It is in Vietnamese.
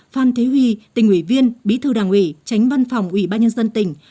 phan thế huy tỉnh ủy viên bí thư đảng ủy tránh văn phòng ủy ban nhân dân tỉnh